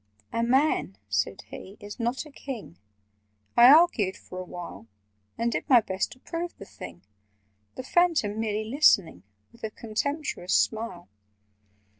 '" "A man," said he, "is not a King." I argued for a while, And did my best to prove the thing— The Phantom merely listening With a contemptuous smile.